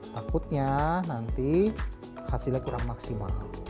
takutnya nanti hasilnya kurang maksimal